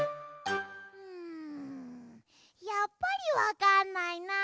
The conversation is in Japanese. うんやっぱりわかんないな。